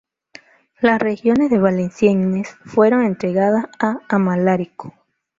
Las regiones de Valenciennes fueron entregadas a Amalarico.